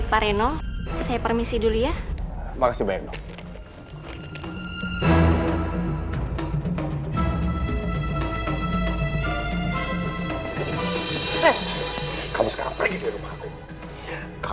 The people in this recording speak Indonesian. pada saat mereka